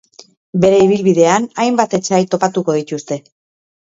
Bere ibilbidean hainbat etsai topatuko dituzte.